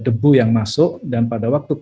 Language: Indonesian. debu yang masuk dan pada waktu